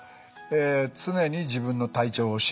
「常に自分の体調を知る」。